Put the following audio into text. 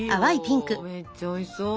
めっちゃおいしそう！